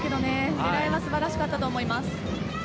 狙いは素晴らしかったと思います。